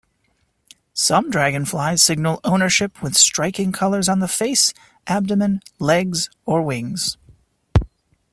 Some dragonflies signal ownership with striking colours on the face, abdomen, legs, or wings.